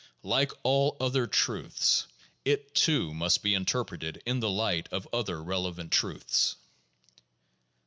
Like all other truths, it too must be interpreted in the light of other relevant truths.